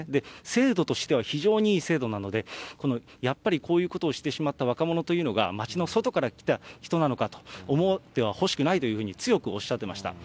制度としては非常にいい制度なので、やっぱりこういうことをしてしまった若者というのが町の外から来た人なのかと、思ってはほしくないというふうに強くおっしゃってました。